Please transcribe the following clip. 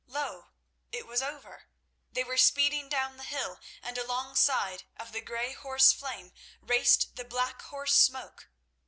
Lo! it was over. They were speeding down the hill, and alongside of the grey horse Flame raced the black horse Smoke.